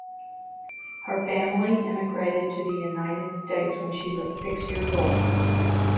Her family immigrated to the United States when she was six years old.